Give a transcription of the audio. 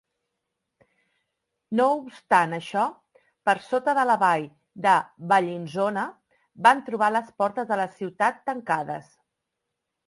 No obstant això, per sota de la vall de Bellinzona, van trobar les portes de la ciutat tancades.